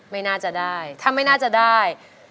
ไม่น่าจะได้ถ้าไม่น่าจะได้